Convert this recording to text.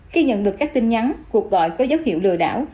khi nhận được các tin nhắn cuộc gọi có dấu hiệu lừa đảo